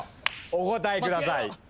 お答えください。